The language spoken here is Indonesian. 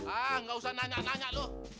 ah nggak usah nanya nanya loh